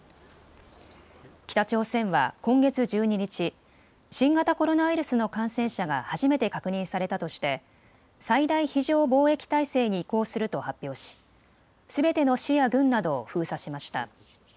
北朝鮮は今月１２日、新型コロナウイルスの感染者が初めて確認されたとして最大非常防疫態勢に移行すると発表しすべての市や郡などを封鎖しました。